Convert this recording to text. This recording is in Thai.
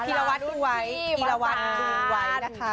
อิรวัตรตัวไว้อิรวัตรดูไว้